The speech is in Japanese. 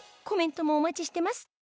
コメントもお待ちしてます